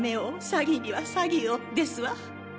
詐欺には詐欺を」ですわ。